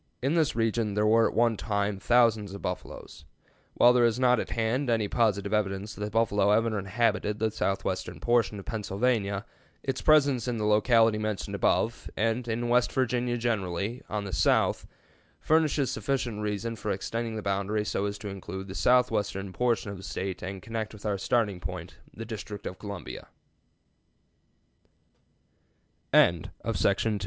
In this region there were at one time thousands of buffaloes. While there is not at hand any positive evidence that the buffalo ever inhabited the southwestern portion of Pennsylvania, its presence in the locality mentioned above, and in West Virginia generally, on the south, furnishes sufficient reason for extending the boundary so as to include the southwestern portion of the State and connect with our startin